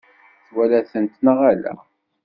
Twala-tent neɣ ala?